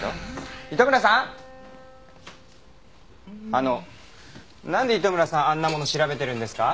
あのなんで糸村さんあんなもの調べてるんですか？